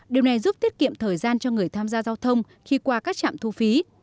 điều này giúp tiết kiệm thời gian cho người tham gia giao thông khi qua các trạm thu phí